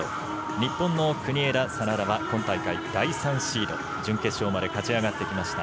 日本の国枝、眞田は今大会第３シード準決勝まで勝ち上がってきました。